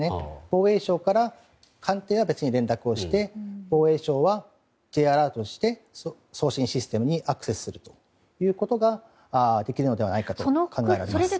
防衛省から官邸は別に連絡をして防衛省はＪアラートをして送信システムにアクセスするということができるのではないかと考えられます。